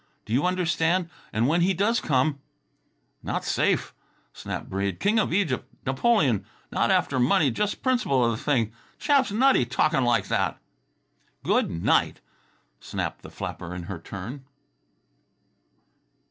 Do you understand? And when he does come " "Not safe," snapped Breede. "King of Egypt, Napoleon ... not after money, just principle of thing. Chap's nutty talk'n' like that!" "Good night!" snapped the flapper in her turn.